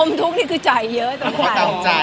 อมทุกข์นี่คือใจเยอะตรงข้าง